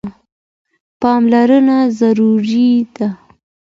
پاملرنه ضروري ده.